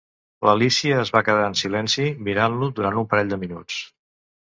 L'Alícia es va quedar en silenci mirant-lo durant un parell de minuts.